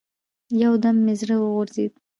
يو دم مې زړه وغورځېد.